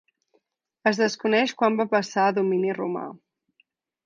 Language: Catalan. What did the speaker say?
Es desconeix quan va passar a domini romà.